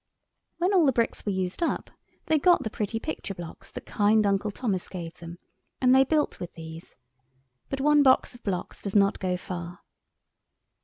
When all the bricks were used up they got the pretty picture blocks that kind Uncle Thomas gave them, and they built with these; but one box of blocks does not go far.